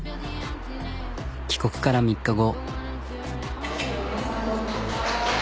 帰国から３日後。